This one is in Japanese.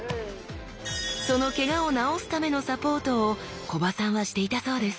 そのケガを治すためのサポートを木場さんはしていたそうです